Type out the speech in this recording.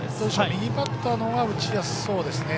右バッターのほうが打ちやすそうですね。